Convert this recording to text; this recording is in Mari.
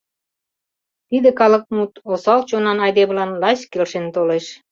Тиде калыкмут осал чонан айдемылан лач келшен толеш.